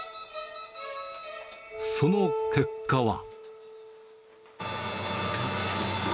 その結果は。